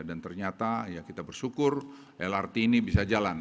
dan ternyata ya kita bersyukur lrt ini bisa jalan